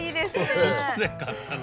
どこで買ったの？